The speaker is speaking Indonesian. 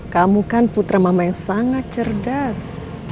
kamu kan putra mama yang sangat cerdas